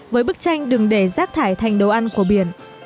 với bức tranh đừng để rác thải thành đồ ăn của biển